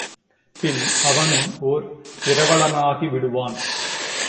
பின் அவனும் ஓர் இரவலனாகி விடுவான்.